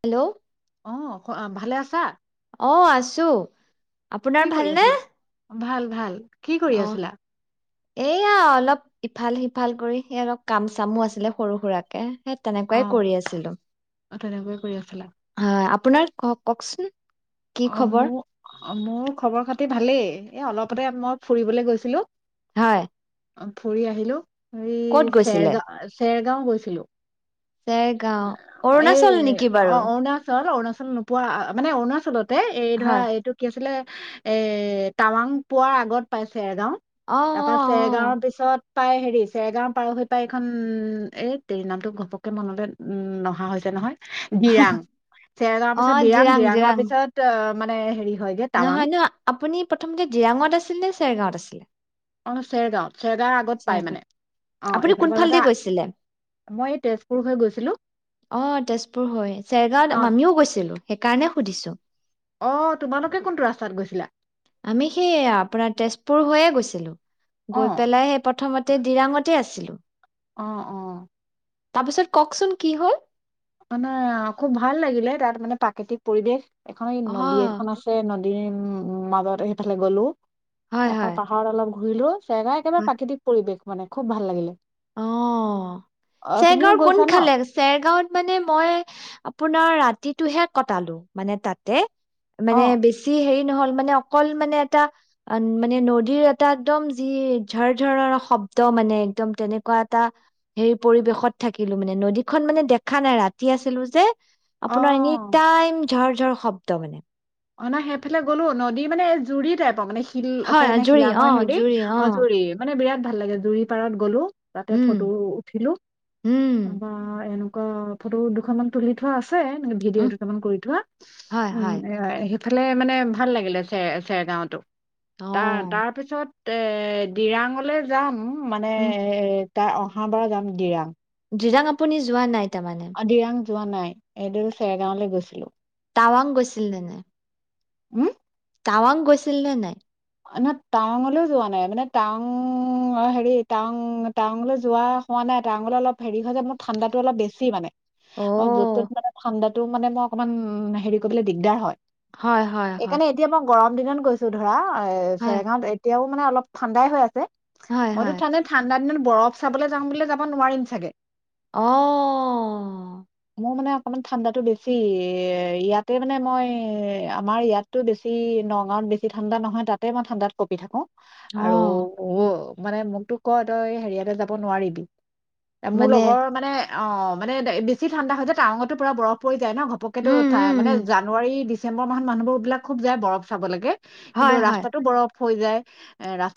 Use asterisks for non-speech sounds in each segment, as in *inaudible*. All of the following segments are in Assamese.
হেল্ল' অ' ক ভালে আছা। অঅ আছো। কি আপোনাৰ কৰি ভালনে? আছিলা? ভাল ভাল। কি কৰি আছিলা? এইয়া অলপ ইফাল সিফাল কৰি সেই অলপ কাম চামো আছিলে সৰু সুৰাকে। সেই অ', তেনেকুৱাই কৰি আছিলো। অ, তেনেকৈ কৰি আছিলা। হয় আপোনাৰ ক কওকচোন। কি অ খবৰ মো মোৰ খবৰ খাতি ভালেই। এ অলপতে মই ফুৰিবলৈ গৈছিলো। হয়। অ ফুৰি আহিলো। ক'ত ইইই গৈছিলে চেৰগা চে গাওঁ গৈছিলো। চেৰগাঁও অৰুণাচল এএএ নেকি অ, বাৰু অৰুণাচল অৰুণাচ নোপোৱা মানে অৰুণাচলত এ এই ধৰা হয় এইটো কি আছিলে এএএ টাৱাং পোৱাৰ আগত পাই চেৰগাওঁ‌। অঁ তাপা অঁ অঁ চেৰগাঁৱৰ পিছত পাই হেৰি চেৰেগাঁও পাৰ হৈ পাই এইখন এ তেৰি নামটো ঘপককে মনলৈ উমম নহা হৈছে নহয়। দিৰাং। অঁ চেৰগাৱৰ পিছত দিৰাং, দিৰাংৰ পিছত অ মানেএ হেৰি হয়গে টাৱাং নহয় ন, আপুনি প্ৰথমতে দিৰাঙত আছিল নে চেৰগাঁৱত আছিল? *unintelligible* অ চেৰগাওঁ‌। *unintelligible* আপুনি এইফালৰ পৰা কোনফালদি যাওঁতে গৈছিলে? মই এই তেজপুৰ হৈ গৈছিলো অ' তেজপুৰ হৈ। অ চেৰগাৱত আমিও গৈছিলো। সেইকাৰণে সুধিছো অ তোমালোকে কোনটো ৰাস্তাত গৈছিলা আমি সেই আপোনাৰ তেজপুৰ হৈয়ে গৈছিলো অ গৈ পেলাই সেই প্ৰথমতে দিৰাঙতে আছিলো অঁ অঁ তাৰপিছত কওকচোন কি হল আপোনাৰ মানে খুব ভাল লাগিলে তাত মানে প্ৰাকৃতিক পৰিৱেশ এখন এই নদী অ', এখন আছে ন উ মাজতে সিফালে গ'লো হয় তাৰপা হয়। পাহাৰ অলপ ঘূৰিলোঁ চেগা একেবাৰে প্ৰাকৃতিক পৰিৱেশ মানে খুব ভাল লাগিলে অঁ অ তুমিও চেৰগাঁওৰ গৈছা ন কোনফালে চেৰগাঁৱত মানে মই আপোনাৰ ৰাতিটোহে কটালো মানে তাতে অ মানে বেছি হেৰি নহল মানে অকল মানে এটা মানে নদীৰ এটা একদম যি ঝৰঝৰৰ শব্দ মানে একদম তেনে এনেকুৱা এটা হেৰি পৰিৱেশত থাকিলো মানে নদীখন মানে দেখা নাই ৰাতি আছিলো যে, অ আপোনাৰ এনি টাইম ঝৰঝৰ শব্দ মানে অ না সেইফালে গ'লো নদী মানে এই জুৰি টাইপৰ মানে উ আছে হয় এনে জুৰি অ শিলাময় হেৰি জুৰি অ অঁজুৰি মানে বিৰাট ভাল লাগে জুৰি পাৰত গ'লো তাতে উম ফটো উঠিলো উম বা এনেকুৱা অ' ফটো দুখন মান তুলি থোৱা আছে আছে উম ভিডিঅ' দুটামান কৰি থোৱা হয় উম হয় সেইফালে মানে ভাল লাগিলে চে চেৰগাঁওতো অ তাৰ তাৰপিছত এ দিৰাঙলে যাম মানে উম এ তাই অহা বাৰ যাম গিৰাং দিৰাং আপুনি যোৱা নাই তাৰমানে দিৰাং যোৱা নাই এদিন চেৰগাঁওলৈ গৈছিলো টাৱাং গৈছিল নে নাই কি টাৱাং গৈছিল নে নাই নহ টাউঙলৈও যোৱা নাই মানে টাউং অ হেৰি টাউং টাউঙলৈ যোৱা হোৱা নাই টাউঙলৈ অলপ হেৰি হয় যে মোৰ ঠাণ্ডাতো অলপ বেছি মানে অ য'ত মানে ঠাণ্ডা টো মানে মই অকনমান হেৰি কৰিবলৈ দিগদাৰ হয় হয় হয় হয় এইকাৰণে এতিয়া মই গৰম দিনত গৈছো ধৰা এ হয়, চেৰেঙাত এতিয়াও মানে অলপ ঠাণ্ডাই হৈ আছে হয়, মইতো হয়। ঠাণ্ডা ঠাণ্ডা দিনত বৰফ চাবলৈ যাম ব যাব নোৱাৰিম চাগে ম অ মানে অকণমান ঠাণ্ডাটো বেছি ইয়াতে মানে মই আমাৰ ইয়াততো বেছি নগাঁৱত বেছি ঠাণ্ডা নহয় তাত তাতে মই ঠাণ্ডাত কপি থাকো অ আৰু উ মানে মোকতো কয় তই হেৰিয়াতে যাব নোৱাৰিবি এ মোৰ মানে লগৰ মানে অ মানে বেছি ঠাণ্ডা হৈছে যে টাৱঙতো পুৰা বৰফ পৰি য ন ঘপকেতো উম, উম, মানে উম, জানুৱাৰী দি ডিচম্বৰ মাহত মুহবোৰবিল খুব যায় বফ চাব লাগে হয় হয় অফ হৈ যায় এ ৰাস্তা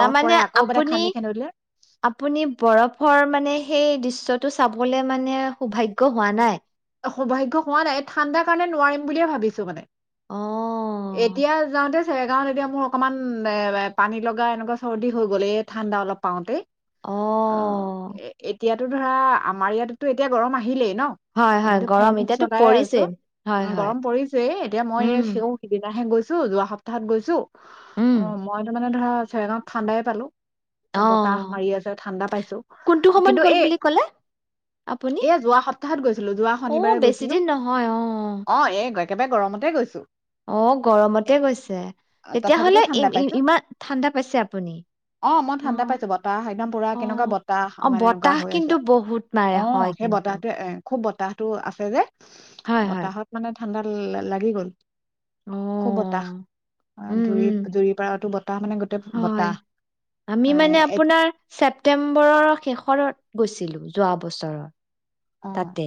তাৰমানানে আপুনি উলিয়াই আপুনি বৰফৰ মানে সেই দৃশ নিটো চাবলে মানে সৌভাগ্য হোৱা নাই সৌভাগ্য হোৱা নাই ঠাণ্ডা কাৰণে নোৱাৰিম বুলিয় ভিছো মানে অ এতিয়া যাওঁতে চেৰে গাওত এতিয়া মোৰ অকনমান এ পানী লগা এনেকুৱা চৰ্দি হৈ গ'লে এ ঠাণ্ডা অলপ পাওঁতেই অহ এটো ধৰা আমাৰ ইয়াতোতো এতিয়া গৰম আহিলেই ন হয়, হয়, আমিতো ফেন গৰম এতিয়াতো চলাই আছো পৰিছেই। হয়, উ হয়। গৰম পৰিছয় এতিয়া মই উম, সেও সিদনাাহে গৈছো যোৱা সপ্তাহত গৈছো উম, অ মই তো মানে ধৰা চেৰেগত ঠাণ্ডাই পালো অ বতাহ মাৰি আছে ঠাণ্ডা পাইছো কোনটো সময়ত কিন্তু গ'ল এই বুলি ক'লে এয়া যোৱা সপ্তাহত গৈছ আহ বেছিদিন নহয় অহ অ এই একেবাৰে গৰমতে গৈছোঁ অ গৰমতে গৈছে তথাপিতো তেতিয়াহলে ঠাণ্ডা পাইছো ইমান ঠাণ্ডা পাইছে আপুনি অ মই ঠাণ্ডা অহ পাইছো বতাহ একদম পুৰা কেনেকুৱা অহ বতাহ অ মানে এনেকুৱা বতাহ হৈ আছে কিন্তু বহুত অ মাৰে হয় সেই কিন্তু বতাহটোৱে এ খুব বতাহটো আছে যে হয়, হয়। বতাহত মানে ঠাণ্ডা লাগি গ'ল অ'। খুব বতাহ উম, জুৰি উম, জুৰি পাৰতো বতাহ মানে গোটেই হয়। বতাহ আমি মানে আপোনাৰ ছিলো যোৱা বছৰৰ অ তাতে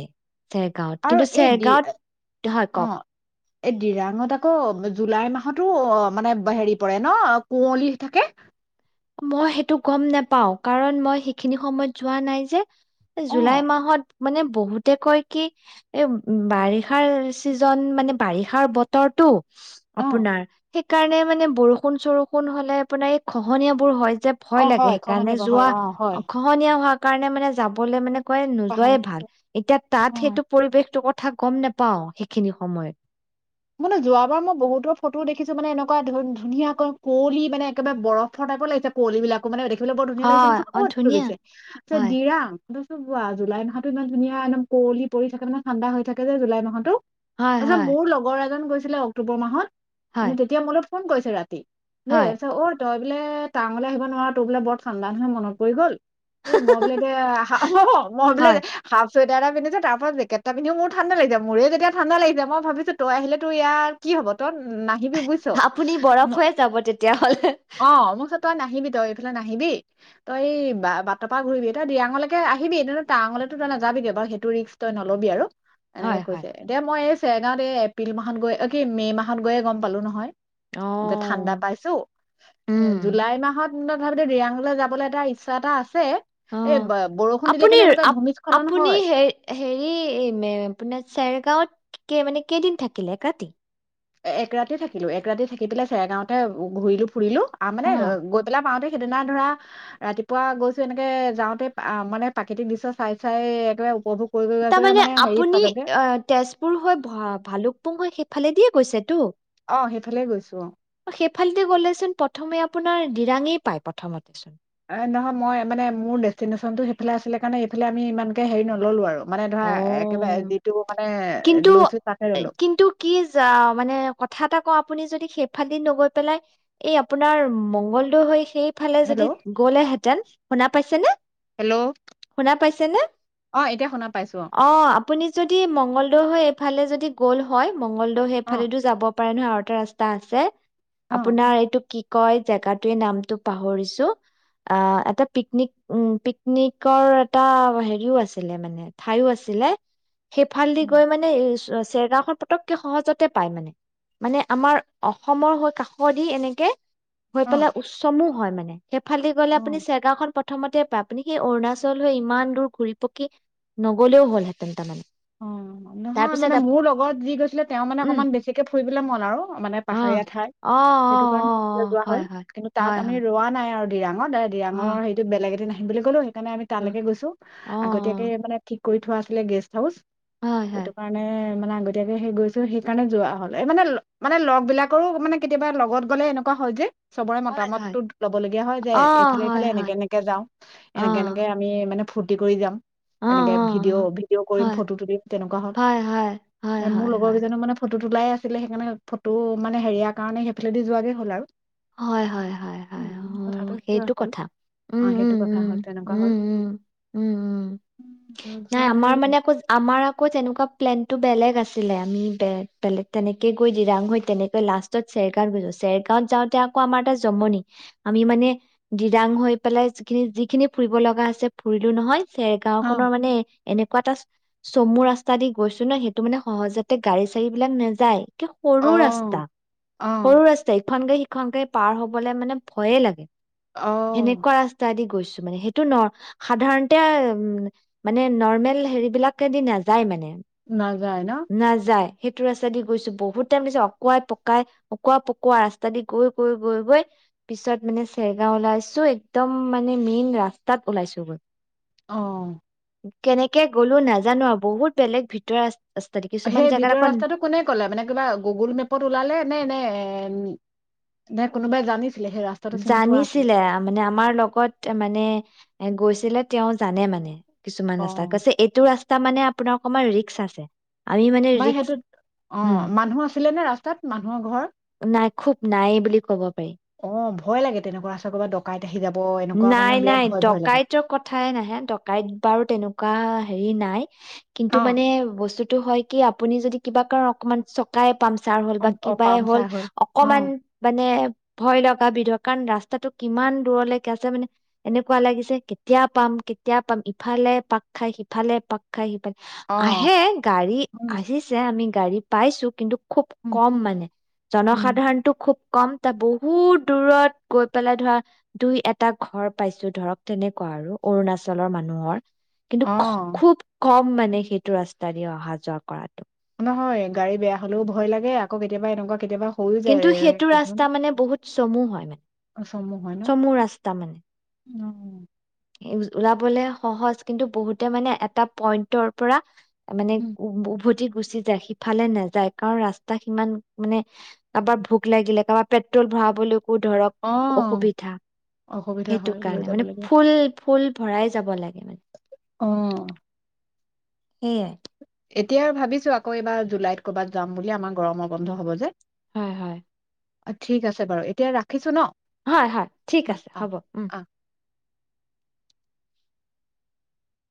চেৰগাঁৱত আৰু কিন্তু এই দি চেৰগাঁৱত হয় অ কওক এই ডিৰাঙত আকৌ জুলাই মাহতো অ মানে হেৰি পৰে ন কুঁৱলী থাকে মই সেইটো গম নোপাও কাৰণ মই সেইখিনি সময়ত যোৱা নাই যে অ জুলাই মাহত মানে বহুতে কয় কি এ বাৰিষাৰ চিজন মানে বাৰিষাৰ বতৰটো অ আপোনাৰ সেইকাৰণে মানে বৰষুণ চৰষুণ হ'লে আপোনাৰ এই খহনীয়া *unintelligible* হয় যে ভয় অ লাগে হয় সেইকাৰণে খহনীয়া যোৱা হয় অ হয় খহনীয়া হ এইকাৰণে মানে যাবলৈ মানে এইটো কাৰণে পাহৰ নোযোৱাই ভাল, এতিয়া তাত অ সেইটো পৰিৱেশ ক'ত? কথা গম নোপাও সেইখিনি সময়ত। মানে যোৱাবাৰ মই বহুতৰ ফটোও দেখিছো, মানে এনেকুৱা ধুনীয়া কুঁৱলি মানে একেবাৰে বৰফৰ টাইপৰ লাগিছে কঁৱলীবিলাকো মানে তলে বৰ ধুনীয়া লাগিছে হয় ত অ ক'ত ধুনীয়া তুলিছে হয় দিৰাং। বো বোৱা জুলাই মাহো ইমান ধুনীয়া একদম কঁল পৰি থাকে নে ঠাণ্ডা হৈ থাকে যে জুলাই মাহতো হয় তছা হয় মোৰ লগৰ গৈছিলে অক্টোবৰ মাহত হয় মানে তেতিয়া মূলে ফোন কৰিছে ৰাতি হয় দেছ *unintelligible* তই বোলে টাঙলৈ আহিব নোৱাৰা তোৰ বোলে বৰ ঠাণ্ডা মানুহে মনত পৰি গ'ল এ মই বোলে এতি হয় এ চুইটাৰ এটা পিন্ধোঁতেও তাৰ পিছত জেকেট পিন্ধিও মোৰ ঠাণ্ডা লাগিছে, মোৰ যেতিয়া ঠাণ্ডা লাগিছে মই ভাবিছোঁ তই আহিলে। এইটো ইয়াৰ কি হব তোৰ। আপুনি বৰফ হৈ যাব তেতিয়াাহলে। অ মোক চ তই নাহিবি তই এইফালে নাহিবি তই এই বাটৰ পৰা ঘূৰিবি তই দিৰাঙলৈকে আহিবি এ টাৰঙলৈ তো তই নাযাবি বাৰু সেইটো ৰিক্স তই নল'বি আৰু। এনেকে হয়, হয়। কৈছে দে মই এই। চেনাৰে এফ এপ্ৰিল মাহত গৈ অ কি মে' মাহত গৈয়ে গম পালো নহয়। ঠাণ্ডা অ', পাইছো এ উম। জুলাই মাহত। ভাবি ৰিয়াংলৈ যাবলৈ এটা ইচ্ছা এটা আছে অ এই ব- বৰষুণ দিলে আপুনি কিন্তু এনেকুৱা ভূমিস্খলন আপুনি হয় হ হেৰি আপোনাৰ চেৰগাঁৱত ক মানে কেইদিন থাকিলে একাটি এক ৰাতি থাকিলো এক ৰাতি থাকি পেলাই চেৰেগাঁওতে ঘূৰিলো ফুৰিলো আ মানে অ'। গৈ পেলা পাওঁতে সেইদিনা ধৰা ৰাতিপুৱা গৈছো এনেকে যাওঁতে মানে প্ৰাকৃতিক দৃশ্যত চাই চাই একেবাৰে উপভোগ কৰি কৰি তাৰ আছো মানে হেৰি আপুনি পালোগে তেজপুৰ হৈ ভালুকপুং হৈছেই ফালেদিয়ে কৈছেতো অ সেইফালে গৈছো সেইফালতে গলেচোন প্ৰথমে আপোনাৰ ডিৰাঙেই পায় প্ৰথমতেচোন এ নহয় মই মানে মোৰ ডেষ্টিনেশ্যনতটো সেইফালে আছিলে কাৰণে এইফালে আমি ইমানকে হেৰি নললো আৰু মানে ধৰা একেবাৰে অ', যিটো মানে কিন্তু লৈছো তাতে ৰলো ক আপুনি যদি সেইফালিন নগৈ পেলাই এই আপোনাৰ মংগলদৰ হৈ সেই ফালে যদি হেল্ল' গ'লেহেঁতেন শুনা পাইছে নে হেল্ল' শুনা পাইছে ছেনে অ এতিয়া শুনা পাইছো অ আপুনি যদি মঙ্গলদৈ হৈ এইফালে যদি গ'ল হয় মংগলদৈৰ অ সেইফালেতো যাব পাৰে ন আৰু এটা ৰাস্তা আছে অ অ আপোনাৰ এইটো কি কয় জেগাতোয়ে নামটো পাহৰিছো অ এটা পিকনিক উ পিকনিকৰ এটা হেৰিও আছিলে মানে ঠাইও আছিলে সেইফালদি গৈ মানে চেৰগাওঁখন পতক কে সহজতে পাই মানে মানে আমাৰ অসমৰ হৈ কাষদি এনেকে হৈ পেলাই উচ্চমো হয় মানে সেইফালেদি গ'লে অ অ আপুনি চেগাওঁখন প প্ৰথমতে পায় আপুনি সেই অৰুণাচল হৈ ইমান দূৰ ঘূৰি পকি নগলেও হ'লহেঁতেন তামানে অ নহয় মানে মোৰ লগত যি গৈছিলে তেওঁ মানে উম অকমান বেছিকে ফুৰিবলে মন আৰু মানে অ পাহাৰীয়া ঠাই অ অ সেইটো অ কাৰণে অ যোৱা হল হয় হয় কিন্তু তাত হয় আমি হয় ৰোৱা নাই আৰু ডিৰাঙত দে অ ডিৰাঙৰ সেইটো বেলেগ এদিন আহিম। বুলি ক'লো কাৰণে আমি অ তালেকে গৈছো অ আগতীয়াকে মানে ঠিক কৰি থোৱা আছিলে গেষ্ট হাউচ। অ হয় সেইটো হয় কাৰণে মানে আগতীয়াকে সেই গৈছো, সেই কাৰণে যোৱা হ'ল। এই মানে, মানে লগবিলাকৰো মানে কেতিয়াবা লগত গ'লে এনেকুৱা হয় যে। চবৰে হয় হয় মতামতটো লব লগীয়া হয় যে, অ এইফালে-এইফালে, হয় হয় এনেকে-এনেকে যাওঁ। অ এনেকে-এনেকে আমি মানে আমি ফূৰ্তি কৰি যাম। অ অ এনেকে ভিডিঅ', ভিডিঅ' অ কৰিম। ফটো তুলিম, তেনেকুৱা হ'ল। হয় হয় হয় হয় এ মোৰ হয় লগৰ হয় কেইজনো মানে ফটো ফটো তোলাই আছিলে সেইকাৰণে ফটো মানে হেৰিয়াৰ কাৰণে সেইফালেদি যোৱাগে হ'ল আৰু। হয়, হয়, হয় হয় উম কথাটো সেইটো হ'ল কথা, উম, অ উম, সেইটো কথা উম হ'ল তেনেকুৱা হ'ল উম, উম, উম, উম নাই তাৰপিছত আমাৰ হেৰি মানে অ আকৌ *unintelligible* আমাৰ আকৌ যেনেকুৱা প্লেনতটো বেলেগ আছিলে। আমি বে বে বেলেগ তেনেকে গৈ দিৰাং হৈ তেনেকৈ লাষ্টত চেৰগাঁৱত গৈছো, চেৰগাঁৱত যাওঁত এতিয়া আকৌ আমাৰ এটা জমনি, আমি মানে ডিৰাং হৈ পেলাই যিখিনি, যিখিনি ফুৰিব লগা আছে ফুৰিলো নহয়। ছেৰ গাঁওখনৰ মানে এনেকুৱা এটা চু চমু ৰাস্তা দি গৈছো ন, সেইটো মানে সহজতে গাড়ী চাৰী বিলাক নেযায়। সৰু অ ৰাস্তা, অ সৰু ৰাস্তা, ইখন গাৰি *unintelligible* সিখন গাৰি *unintelligible* পাৰ হবলৈ মানে ভয়েই লাগে। অ সেনেকুৱা ৰাস্তাদি গৈছো। মানে সেইটো নৰ্, সাধাৰণতে মানে নৰ্মেল হেৰিবলাকেদি নাযায় মানে। নাজায় ন? নাযায় সেইটো ৰাস্তা দি গৈছো, বহুত টাইম দিছে, অকাৱাই পকাই অকোৱা পকোৱা ৰাস্তা দি গৈ, গৈ, গৈ, গৈ পিছত মানে চেৰগাঁও ওলাইছো। একদম মানে মেইন ৰাস্তাত ওলাইছো গৈ। অ' কেনেকে গ'লো নাজানো আৰু বহুত বেলেগ ভিতৰ ৰাস্তা। দি কিছুমান সেই জেগাত ভিতৰৰ আকৌ ৰাস্তাটো কোনে ক'লে? মানে কিবা গুগুল মেপত ওলালে নে? নে-নে? নাই কোনোবাই জানি জানিছিলে মানে আমাৰ লগত মানে গৈ, ছিলে তেওঁ জানে মানে। অ কিছুমান ৰাস্তা, কৈছে এইটো ৰাস্ ৰাস্তা মানে আপোনাৰ অকনমান ৰি্স্ক আছে। আমি মানে ৰিক্স সেইটোত, অ উম মানুহ আছিলে নে? ৰা তাত মানুহৰ ঘৰ? নাই, খুব নাইয়েই বুলি কব পাৰি। অ ভয় লাগে তেনেকুৱা ৰাস্তা ক'ৰবাত ডকাইত আহি যাব এনেকুৱা মানে নাই বিৰাট নাই ভয় ভয় লাগে ডকাইতৰ কথাই নাহে ডকাইত বাৰু তেন- কা হেৰি নাই। কিন্তু অ মানে বস্তুটো হয় কি, আপুনি যদি কিবা কাৰণ অকণমান চকাই পামচাৰ হ'ল, বা অ কিবাই হ'ল। পামচাৰ অ অকমান মানে ভয় লগা বিধ কাৰণ ৰাস্তাটো কিমান দূৰলৈকে আছে মানে এনেকুৱা লাগিছে কেতিয়া পাম কেতিয়া পাম ইফালে পাক খাই সিফালে পাক খাই অ *unintelligible* আহে গাড়ী উম আহিছে আমি গাড়ী পাইছো কিন্তু খুব উম কম মানে উম জনসাধাৰণটোক খুব কম তাত বহুত দূৰত গৈ পেলাই ধৰা দুই এটা ঘৰ পাইছো ধৰক তেনেকুৱা আৰু অৰুণাচলৰ মানুহৰ কিন্তু অ খুব কম ম মানে সেইটো ৰাস্তা দি অহা যোৱা কৰাত হয় গাড়ী বেয়া হলেও ভয় লাগে আকৌ কেতিয়াবা এনেকুৱা কেতিয়াবা হৈও যায় কিন্তু সেইটো কিছুমান ৰাস্তা মানে বহুত চমু হয় মানে চমু হয় ন চমু ৰাস্তা মানে উম ওলাবলে সহজ কিন্তু বহুতে মানে এটা পইন্টৰ পৰা। মানে উম। উ উভতি। গুচি যায় সিফালে নাযায় কাৰণ ৰাস্তা সিমান মানে কাৰোবাৰ ভোক লাগিলে কাৰোবাৰ পেট্ৰল ভৰাবলৈ। ধৰক অ অসুবিধা অসুবিধা সেইটো হয় লৈ কাৰণে মানে। ফুল ফুল ভৰাই যাব লাগে। মানে আহ, সেইয়াই। এতিয়া আৰু ভাবিছো আকৌ এইবাৰ জুলাইত কৰ'বাত যাম বুলি আমাৰ গৰমৰ বন্ধ হব যে। হয় হয়, অ ঠিক আছে বাৰু এতিয়া ৰাখিছো ন। হয় হয় ঠিক আহ আছে আহ হ'ব উম। আহ